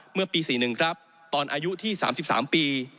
เมื่อปี๔๑ครับตอนอายุที่๓๓ปี